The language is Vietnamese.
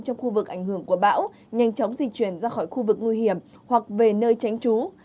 trong khu vực ảnh hưởng của bão nhanh chóng di chuyển ra khỏi khu vực nguy hiểm hoặc về nơi tránh trú